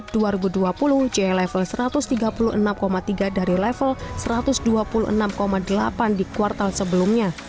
di level satu ratus tiga puluh enam tiga dari level satu ratus dua puluh enam delapan di kuartal sebelumnya